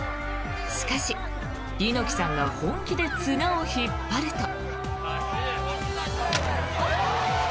しかし、猪木さんが本気で綱を引っ張ると。